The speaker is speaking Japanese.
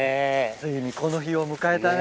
ついにこの日を迎えたね。